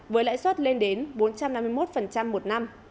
với lãi suất lên đến bốn trăm năm mươi một một năm